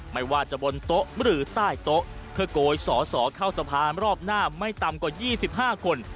ไม่ว่าจะบนโต๊ะหรือใต้โต๊ะเพื่อโกยสอสอเข้าสภารอบหน้าไม่ต่ำกว่า๒๕คน